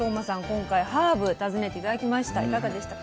今回ハーブ訪ねて頂きました。